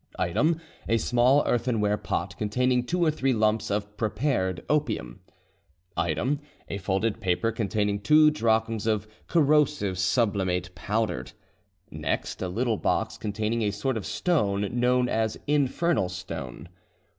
"Item, a small earthenware pot containing two or three lumps of prepared opium. "Item, a folded paper containing two drachms of corrosive sublimate powdered. "Next, a little box containing a sort of stone known as infernal stone.